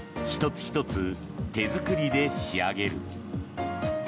つ１つ手作りで仕上げる。